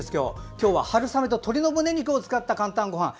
今日は春雨と鶏のむね肉を使った「かんたんごはん」。